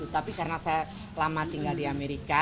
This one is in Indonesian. tapi karena saya lama tinggal di amerika